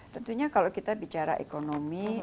tentunya kalau kita bicara ekonomi